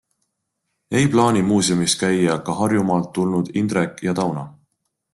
Ei plaani muuseumis käia ka Harjumaalt tulnud Indrek ja Tauno.